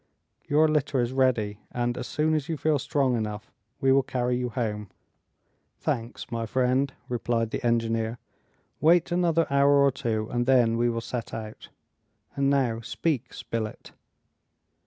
Your litter is ready, and as soon as you feel strong enough we will carry you home." "Thanks, my friend," replied the engineer; "wait another hour or two, and then we will set out. And now speak, Spilett."